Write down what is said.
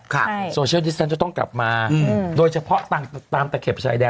ค่ะโซเชียลดิสเต็นต์จะต้องกลับมาโดยเฉพาะตามตะเข็บชายแดน